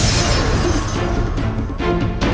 mas rasha tunggu